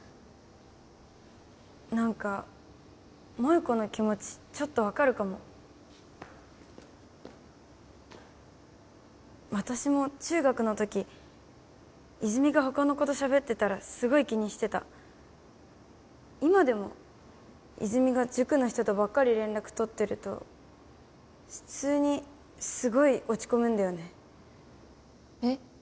何か萌子の気持ちちょっと分かるかも私も中学のとき泉が他の子としゃべってたらすごい気にしてた今でも泉が塾の人とばっかり連絡取ってると普通にすごい落ち込むんだよねえっ？